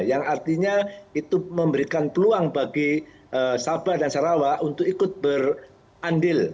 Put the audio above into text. yang artinya itu memberikan peluang bagi sabah dan sarawak untuk ikut berandil